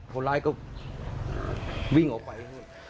คนร้ายก็วิ่งออกไป